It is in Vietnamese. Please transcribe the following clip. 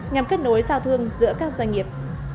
nhằm kết nối giao thương giữa các doanh nghiệp